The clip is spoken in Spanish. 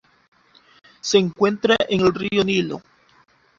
Se encuentra en el río Nilo.